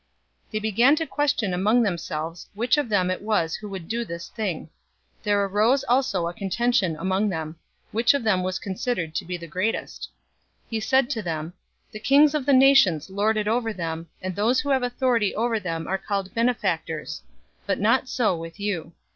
022:023 They began to question among themselves, which of them it was who would do this thing. 022:024 There arose also a contention among them, which of them was considered to be greatest. 022:025 He said to them, "The kings of the nations lord it over them, and those who have authority over them are called 'benefactors.' 022:026 But not so with you.